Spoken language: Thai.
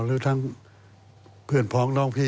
หรือทั้งเพื่อนพ้องน้องพี่